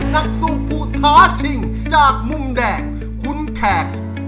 นักสู้ผู้ท้าชิงจากมุมแดงคุณแขก